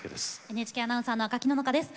ＮＨＫアナウンサーの赤木野々花です。